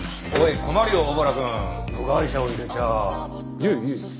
いえいえ。